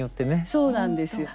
そうなんですよ。